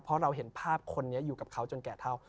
เพราะเราเห็นภาพคนนี้อยู่กับเขาจนแก่เท่า